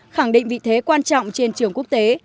khẳng định vị thế quan trọng trên trường quốc tế